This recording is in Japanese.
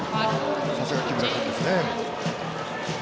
さすが木村君ですね。